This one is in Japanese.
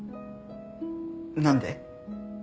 何で？